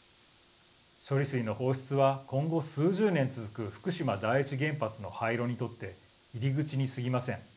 処理水の放出は今後、数十年続く福島第一原発の廃炉にとって入り口にすぎません。